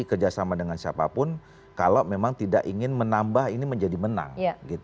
kerjasama dengan siapapun kalau memang tidak ingin menambah ini menjadi menang